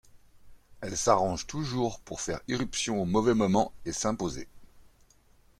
Elle s'arrange toujours pour faire irruption au mauvais moment et s'imposer.